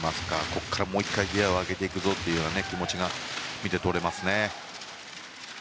ここからもう１回、ギアを上げていくぞという気持ちが見て取れましたね。